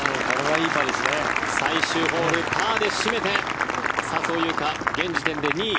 最終ホール、パーで締めて笹生優花、現時点で２位。